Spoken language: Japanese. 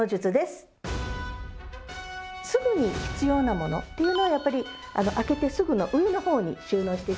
すぐに必要なものっていうのはやっぱり開けてすぐの上のほうに収納して頂きたいんですね。